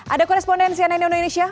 ada korespondensi aneh aneh indonesia